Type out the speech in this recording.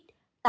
tám nôn mọi thứ